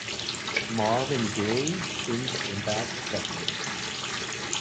Marvin Gaye singt im Background.